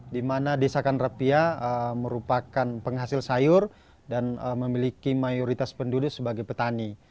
di mana desakanrepia merupakan penghasil sayur dan memiliki mayoritas penduduk sebagai petani